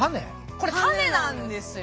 これタネなんですよ。